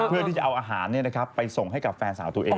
เพื่อที่จะเอาอาหารไปส่งให้กับแฟนสาวตัวเอง